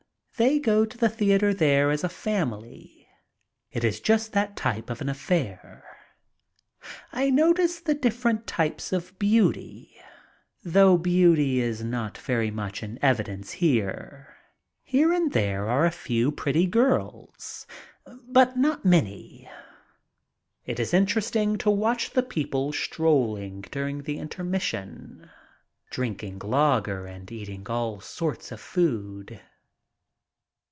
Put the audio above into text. They go to the theater there as a fam ily. It is just that type of an affair. I notice the different types of beauty, though beauty is not very much in evidence here. Here and there are a few pretty girls, but not many. It is interesting to watch the people strolling during the intermission, drinking lager and eating all sorts of food.